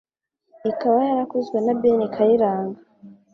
ikaba yarakozwe na Ben Kayiranga.